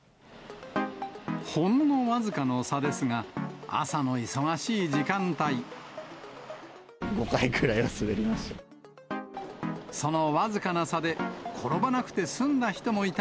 ほんのわずかの差ですが、５回くらいは滑りました。